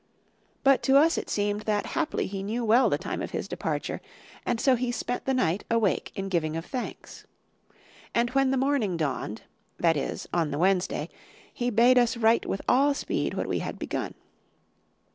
But to us it seemed that haply he knew well the time of his departure; and so he spent the night, awake, in giving of thanks. And when the morning dawned, that is, on the Wednesday, he bade us write with all speed what we had begun.